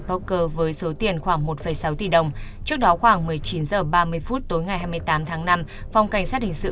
poker với số tiền khoảng một sáu tỷ đồng trước đó khoảng một mươi chín h ba mươi phút tối ngày hai mươi tám tháng năm phòng cảnh sát hình sự